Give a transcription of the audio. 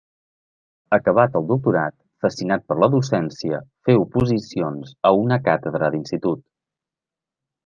Acabat el doctorat, fascinat per la docència, feu oposicions a una càtedra d'Institut.